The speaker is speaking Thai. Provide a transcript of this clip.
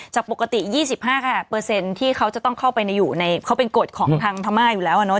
จากปกติ๒๕ที่เขาจะต้องเข้าไปอยู่ในเขาเป็นกฎของทางพม่าอยู่แล้ว